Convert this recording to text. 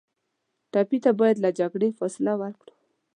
ټپي ته باید له جګړې فاصله ورکړو.